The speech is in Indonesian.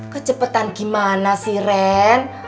kecepetan gimana sih ren